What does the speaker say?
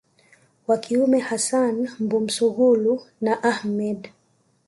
wa kiume hassan Mbunsungulu na Ahmed